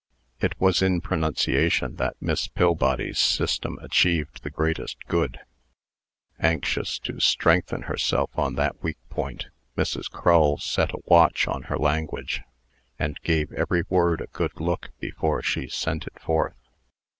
It was in pronunciation that Miss Pillbody's system achieved the greatest good. Anxious to strengthen herself on that weak point, Mrs. Crull set a watch on her language, and gave every word a good look before she sent it forth.